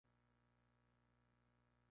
Puede parecer imposible para ellos a veces.